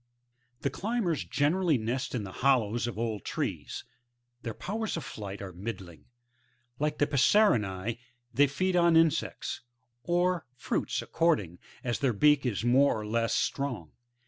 15. The Climbers generally nest in the hollows of old trees; their powers of flight are middling ; like the Passerinae they feed on insects, or fruits according as their beak is more or less strong.